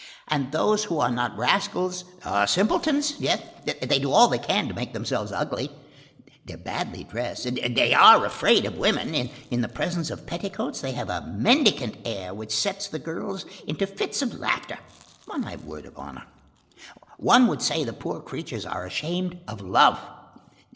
And those who are not rascals are simpletons! They do all they can to make themselves ugly, they are badly dressed, they are afraid of women, in the presence of petticoats they have a mendicant air which sets the girls into fits of laughter; on my word of honor, one would say the poor creatures were ashamed of love.